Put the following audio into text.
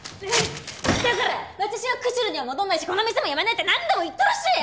だから私は釧路には戻らないしこの店も辞めないって何度も言ってるしょや！